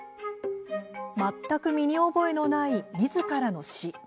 全く身に覚えのないみずからの死。